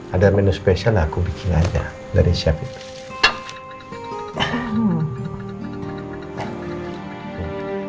ada menu spesial aku bikin aja dari chef itu